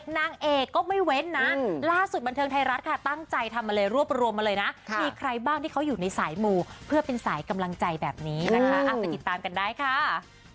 ในนี้แค่เขาอยู่ในสายโมเพื่อเป็นสายกำลังใจแบบนี้นะคะไปกินตามกันได้ค่ะ